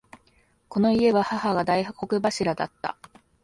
この家は母が大黒柱だった。